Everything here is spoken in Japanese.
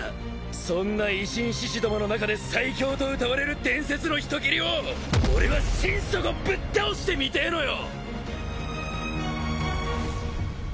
そんな維新志士どもの中で最強とうたわれる伝説の人斬りを俺は心底ぶっ倒してみてえのよ！